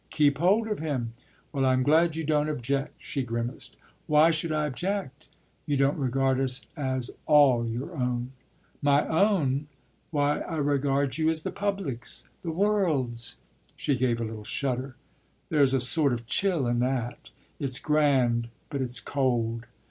Keep hold of him." "Well, I'm glad you don't object," she grimaced. "Why should I object?" "You don't regard us as all your own?" "My own? Why, I regard you as the public's the world's." She gave a little shudder. "There's a sort of chill in that. It's grand, but it's cold.